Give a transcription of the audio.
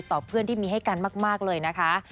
เพื่อนที่มีให้กันมากเลยนะคะ